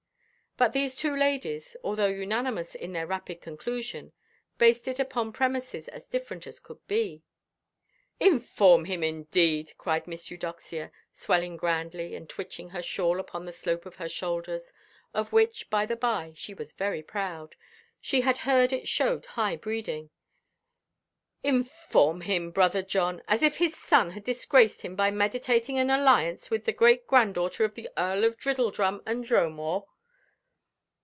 But these two ladies, although unanimous in their rapid conclusion, based it upon premises as different as could be. "Inform him, indeed!" cried Miss Eudoxia, swelling grandly, and twitching her shawl upon the slope of her shoulders, of which, by–the–by, she was very proud—she had heard it showed high breeding—"inform him, brother John; as if his son had disgraced him by meditating an alliance with the great–granddaughter of the Earl of Driddledrum and Dromore!